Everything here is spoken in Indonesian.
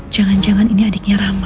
jangan jangan ini adiknya ramah